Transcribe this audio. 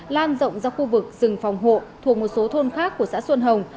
lan rộng ra khu vực rừng phòng hộ thuộc một số thôn khác của xã xuân hồng